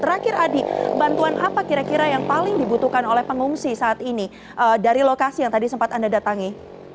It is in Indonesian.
terakhir adi bantuan apa kira kira yang paling dibutuhkan oleh pengungsi saat ini dari lokasi yang tadi sempat anda datangi